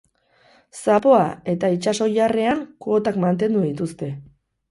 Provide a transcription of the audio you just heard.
Zapoa eta itsas oilarrean, kuotak mantendu dituzte.